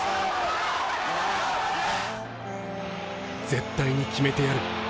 絶対に決めてやる。